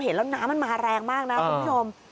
แล้วน้ำมันมาแรงมากนะคุณผู้ชม